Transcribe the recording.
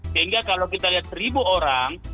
sehingga kalau kita lihat seribu orang